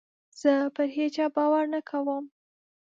زه پر هېچا باور نه کوم.